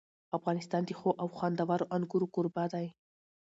افغانستان د ښو او خوندورو انګورو کوربه دی.